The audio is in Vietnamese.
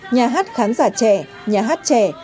nhà hát khán giả trẻ nhà hát trẻ